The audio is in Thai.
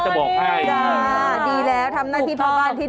เค้าได้กลับมาในช่องนี้